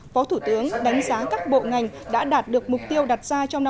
phó thủ tướng đánh giá các bộ ngành đã đạt được mục tiêu đặt ra trong năm hai nghìn hai mươi